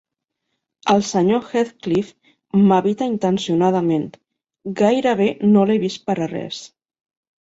El sr. Heathcliff m'evita intencionadament: gairebé no l'he vist per a res.